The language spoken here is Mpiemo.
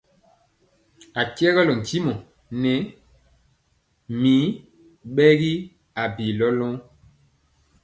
A kyɛgɔlɔ ntimɔ nyɛ mi ɓegi abilɔlɔ.